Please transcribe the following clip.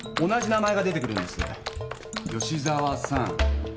吉沢さん。